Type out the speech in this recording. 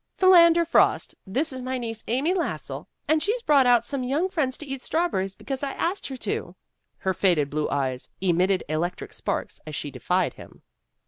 "Philander Frost, this is my niece, Amy Lassell, and she's brought out some young friends to eat strawberries, because I asked her to." Her faded blue eyes emitted electric sparks as she defied him.